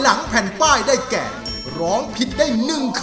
และเงินที่สะสมมาจะตกเป็นของผู้ที่ร้องถูก